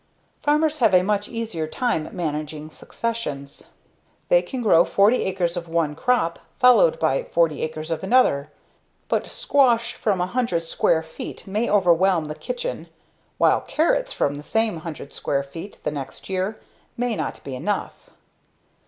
Farmers have a much easier time managing successions. They can grow 40 acres of one crop followed by 40 acres of another. But squash from 100 square feet may overwhelm the kitchen while carrots from the same 100 square feet the next year may not be enough.